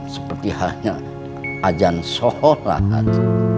seperti hanya ajan sholat